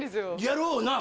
やろうな。